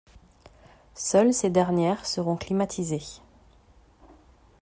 Seules ces dernières seront climatisées.